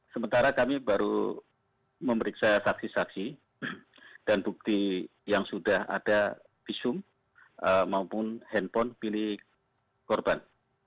sementara kami baru memeriksa saksi saksi dan bukti yang sudah ada visum maupun handphone milik korban